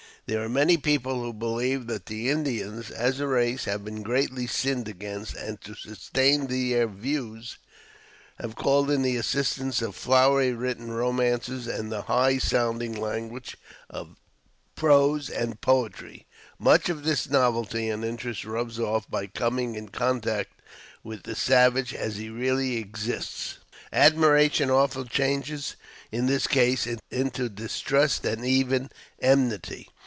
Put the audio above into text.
There are many people who believe that the Indians, as a race, have been greatly sinned against, and to sustain their views, have called in the assistance of flowery written romances and the high sounding language of prose and poetry. Much of this novelty and interest rubs off by coming in contact with the savage as he really exists. Admiration often changes, in this case, into distrust and even enmity.